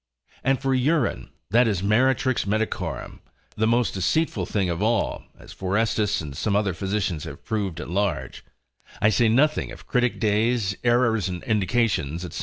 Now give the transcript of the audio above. And for urine, that is meretrix medicorum, the most deceitful thing of all, as Forestus and some other physicians have proved at large: I say nothing of critic days, errors in indications, &c.